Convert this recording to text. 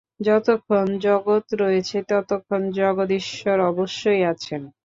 যতক্ষণ জগৎ রয়েছে, ততক্ষণ জগদীশ্বর অবশ্যই আছেন।